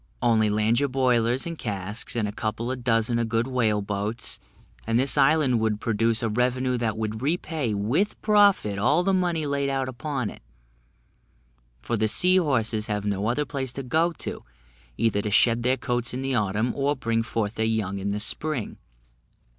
Only land your boilers and casks, and a couple of dozen of good whale boats, and this island would produce a revenue that would repay with profit all the money laid out upon it, for the sea horses have no other place to go to, either to shed their coats in the autumn, or bring forth their young in the spring.